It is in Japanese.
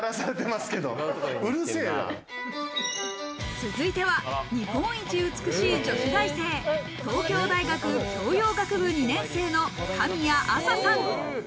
続いては、日本一美しい女子大生、東京大学教養学部２年生の神谷明采さん。